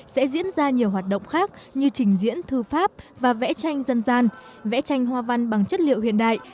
sẽ diễn ra nhiều hoạt động khác như trình diễn thư pháp và vẽ tranh dân gian vẽ tranh hoa văn bằng chất liệu hiện đại